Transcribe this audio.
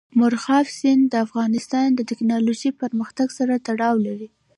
مورغاب سیند د افغانستان د تکنالوژۍ پرمختګ سره تړاو لري.